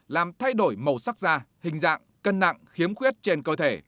làm thay đổi màu sắc da hình dạng cân nặng khiếm khuyết trên cơ thể